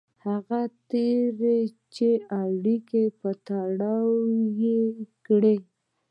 هغه تېري چې اړیکو په تړاو یې کړي.